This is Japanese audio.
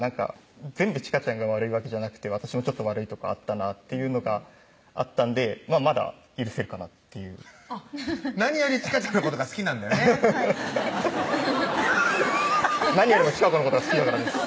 全部ちかちゃんが悪いわけじゃなくて私も悪いとこあったなっていうのがあったんでまだ許せるかなっていう何よりちかちゃんのことが好きなんだよね何よりも智佳子のことが好きだからです